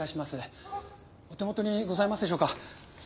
お手元にございますでしょうか。